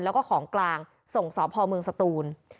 และของกลางส่งสอบพ่อเมืองสะตูล